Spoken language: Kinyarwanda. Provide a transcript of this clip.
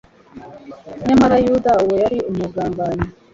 Nyamara Yuda uwo yari umugambanyi!